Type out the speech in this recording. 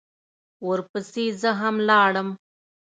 ورپسې زه هم لاړم.